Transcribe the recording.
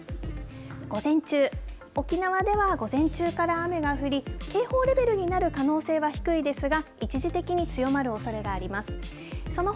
午前中沖縄では午前中から雨が降り警報レベルになる可能性は低いですが一時的に強まるおそれがあります。